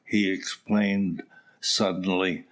he exclaimed, suddenly.